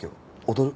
『踊る』？